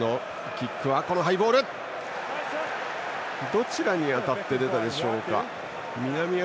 どちらに当たって出たでしょうか。